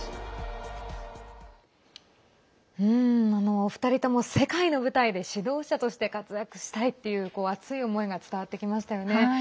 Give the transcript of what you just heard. お二人とも世界の舞台で指導者として活躍したいという熱い思いが伝わってきましたよね。